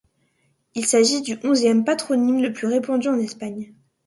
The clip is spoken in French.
Il s'agit du onzième patronyme le plus répandu en Espagne.